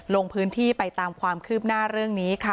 ลงพื้นที่ไปตามความคืบหน้าเรื่องนี้ค่ะ